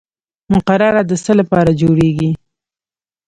مقرره د څه لپاره جوړیږي؟